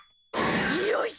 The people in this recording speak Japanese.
よし！